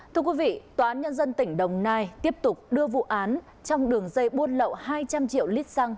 thưa quý vị tòa án nhân dân tỉnh đồng nai tiếp tục đưa vụ án trong đường dây buôn lậu hai trăm linh triệu lít xăng